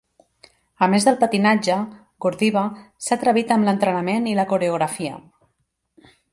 A més del patinatge, Gordeeva s'ha atrevit amb l'entrenament i la coreografia.